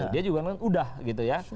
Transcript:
dia juga bilang sudah gitu ya